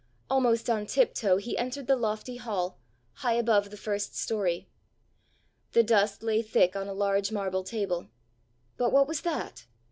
Almost on tiptoe he entered the lofty hall, high above the first story. The dust lay thick on a large marble table but what was that?